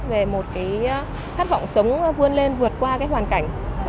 về một cái khát vọng sống vươn lên vượt qua cái hoàn cảnh